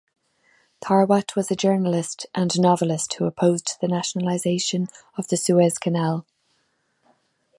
Tharwat was a journalist and novelist who opposed the nationalization of the Suez Canal.